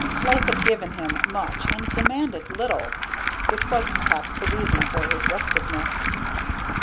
Life had given him much and demanded little, which was perhaps the reason for his restiveness.